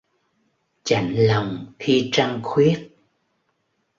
Chạnh lòng khi trăng khuyết